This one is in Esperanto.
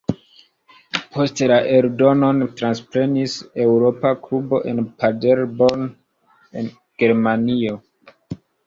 Poste la eldonon transprenis "Eŭropa Klubo" en Paderborn, Germanio.